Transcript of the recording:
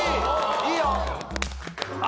いいよ！